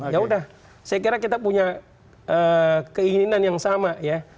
ya udah saya kira kita punya keinginan yang sama ya